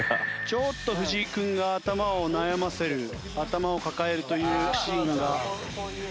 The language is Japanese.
ちょっと藤井君が頭を悩ませる頭を抱えるというシーンが今日は見られています。